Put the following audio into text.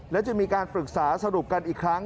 และจะมีการปรึกษาสรุปกันอีกครั้ง